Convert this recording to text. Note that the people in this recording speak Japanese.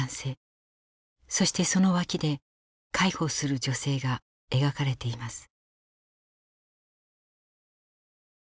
そしてその脇で介抱する女性が描かれています。